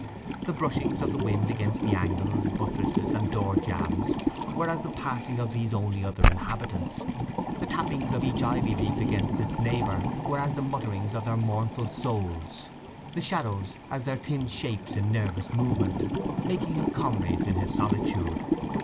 The brushings of the wind against the angles, buttresses, and door jambs were as the passing of these only other inhabitants, the tappings of each ivy leaf on its neighbour were as the mutterings of their mournful souls, the shadows as their thin shapes in nervous movement, making him comrades in his solitude.